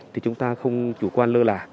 thì chúng ta không chủ quan lơ lả